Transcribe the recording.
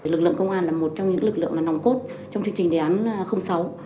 lực lượng công an là một trong những lực lượng nòng cốt trong chương trình đề án sáu